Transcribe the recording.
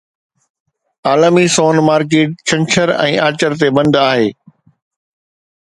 عالمي سون مارڪيٽ ڇنڇر ۽ آچر تي بند آهي